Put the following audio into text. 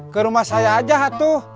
ke rumah saya aja tuh